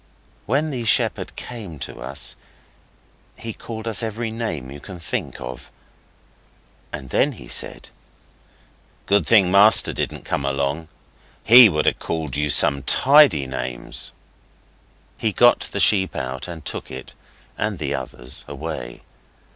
When the shepherd came he called us every name you can think of, and then he said 'Good thing master didn't come along. He would ha' called you some tidy names.' He got the sheep out, and took it and the others away.